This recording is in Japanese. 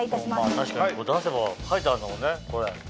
確かに出せば書いてあるんだもんね。